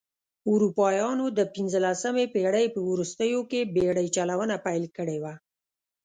اروپایانو د پنځلسمې پېړۍ په وروستیو کې بېړۍ چلونه پیل کړې وه.